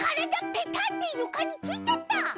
ベタッてゆかについちゃった！